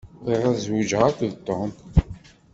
Bɣiɣ ad zewjeɣ akked Tom.